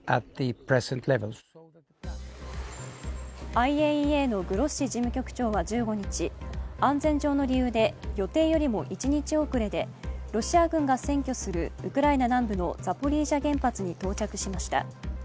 ＩＡＥＡのグロッシ事務局長は１５日、安全上の理由で予定よりも一日遅れでロシア軍が占拠するウクライナ南部のザポリージャ原発に到着しました。